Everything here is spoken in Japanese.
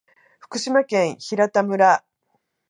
福島県平田村